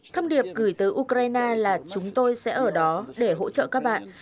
thông điệp gửi tới ukraine là chúng tôi sẽ ở đó để hỗ trợ các bạn